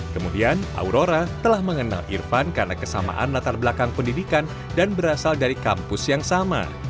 kemudian aurora telah mengenal irfan karena kesamaan latar belakang pendidikan dan berasal dari kampus yang sama